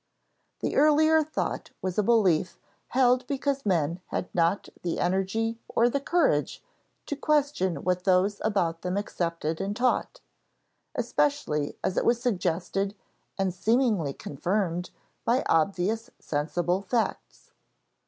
The earlier thought was a belief held because men had not the energy or the courage to question what those about them accepted and taught, especially as it was suggested and seemingly confirmed by obvious sensible facts.